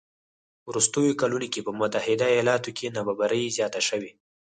په وروستیو کلونو کې په متحده ایالاتو کې نابرابري زیاته شوې